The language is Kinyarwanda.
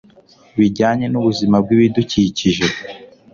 bijyanye n ubuzima bw ibidukikije